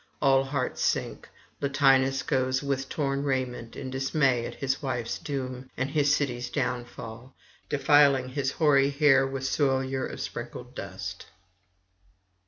All hearts sink; Latinus goes with torn raiment, in dismay at his wife's doom and his city's downfall, defiling his hoary hair with soilure of sprinkled dust.